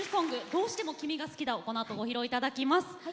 「どうしても君が好きだ」をこのあとご披露頂きます。